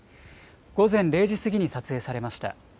午前０時過ぎに撮影されました。